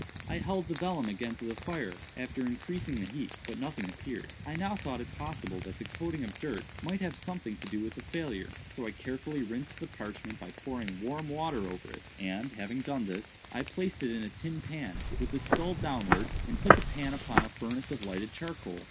"I held the vellum again to the fire, after increasing the heat; but nothing appeared. I now thought it possible that the coating of dirt might have something to do with the failure; so I carefully rinsed the parchment by pouring warm water over it, and, having done this, I placed it in a tin pan, with the skull downwards, and put the pan upon a furnace of lighted charcoal.